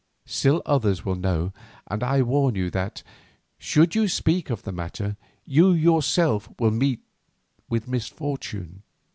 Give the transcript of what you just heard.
Still others will know and I warn you that should you speak of the matter you yourself will meet with misfortune.